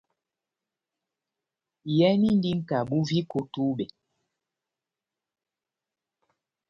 Iyɛnindi nʼkabu viko ό túbɛ.